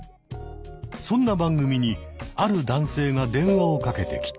そんな番組にある男性が電話をかけてきた。